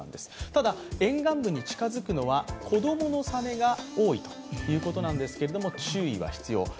ただ沿岸部に近づくのは子供のサメが多いということですが注意が必要。